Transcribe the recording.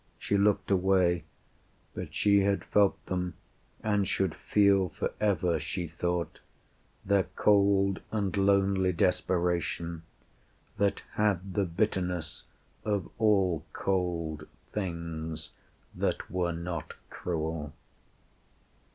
She looked away; But she had felt them and should feel for ever, She thought, their cold and lonely desperation That had the bitterness of all cold things That were not cruel.